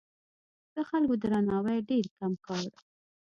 د خلکو درناوی ډېر کم کړ.